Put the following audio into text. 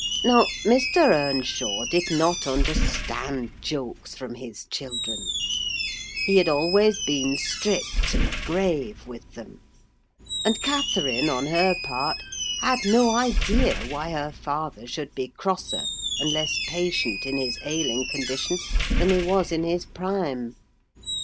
Now, Mr. Earnshaw did not understand jokes from his children: he had always been strict and grave with them; and Catherine, on her part, had no idea why her father should be crosser and less patient in his ailing condition than he was in his prime.